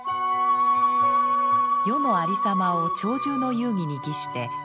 世のありさまを鳥獣の遊戯に擬して思う